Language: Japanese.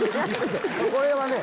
これはね